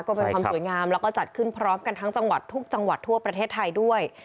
ก็เป็นความสวยงามแล้วก็จัดขึ้นพร้อมกันทั้งจังหวัดทุกจังหวัดทั่วประเทศไทยด้วย